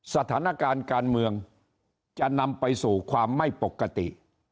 สถานการณ์การเมืองจะนำไปสู่ความไม่ปกติ